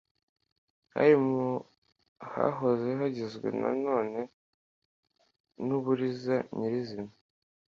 Hari mu hahoze hagizwe na none n'u Buliza nyir'izina